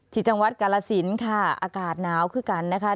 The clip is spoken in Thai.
ที่จังหวัดกาลสินค่ะอากาศหนาวคือกันนะคะ